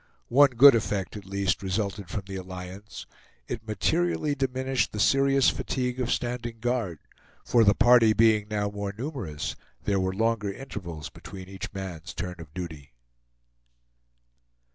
One good effect, at least, resulted from the alliance; it materially diminished the serious fatigue of standing guard; for the party being now more numerous, there were longer intervals between each man's turns of duty.